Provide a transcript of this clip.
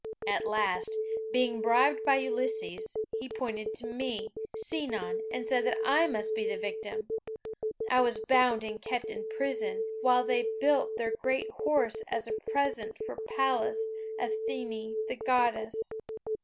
At last, being bribed by Ulysses, he pointed to me, Sinon, and said that I must be the victim. I was bound and kept in prison, while they built their great horse as a present for Pallas Athene the Goddess.